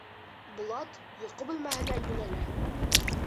Булат йоҡо бүлмәһенә йүнәлә.